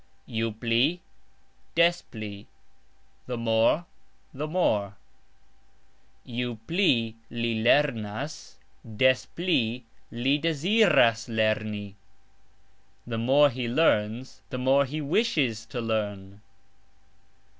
"Ju pli...des pli", the more...the more: "Ju pli li lernas, des pli li deziras lerni", The more he learns, the more he wishes to learn.